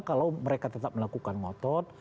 kalau mereka tetap melakukan ngotot